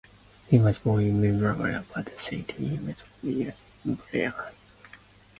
He was born in Melbourne, but spent his formative years in Brisbane.